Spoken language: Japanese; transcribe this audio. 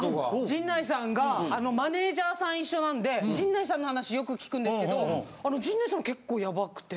陣内さんがマネージャーさん一緒なんで陣内さんの話よく聞くんですけど陣内さん結構ヤバくて。